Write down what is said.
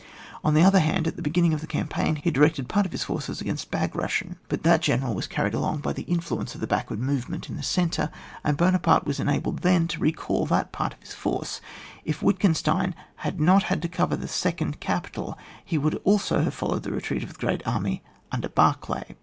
On the other hand, at the beginning of the campaign, he directed a part of his forces against Bagration ; but that general was carried along by the influence of the backward movement in the centre, and Buonaparte was enabled then to re call that part of his forces. If Wittgen stein had not had to cover the second capital, he would also have followed the retreat of the great army under Barclay.